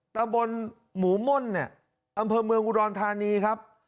ตำบลหมูม่นเนี่ยอำเภอเมืองอุดรธานีครับ